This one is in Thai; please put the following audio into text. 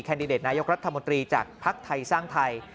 ดิเดตนายกรัฐมนตรีจากภักดิ์ไทยสร้างไทย